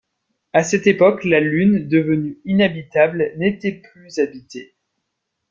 À cette époque la Lune, devenue inhabitable, n’était plus habitée.